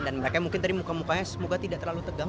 dan mereka mungkin tadi muka mukanya semoga tidak terlalu tegang